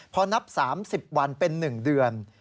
พอนับ๓๐วันเป็น๑เดือน